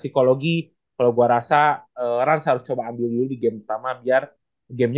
yang akan lebih dulu bermain